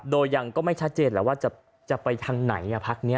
โดยยังก็ไม่ชัดเจนแหละว่าจะไปทางไหนพักนี้